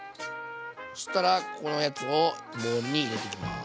そしたらここのやつをボウルに入れていきます。